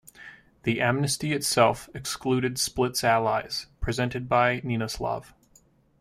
The amnesty itself excluded Split's allies, presented by Ninoslav.